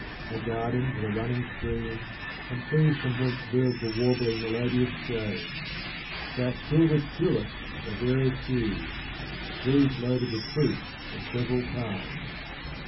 A garden with a running stream, and trees from whence birds were warbling melodious strains : thai filled with tulips of various hues \ these loaded with fniits of several kinds.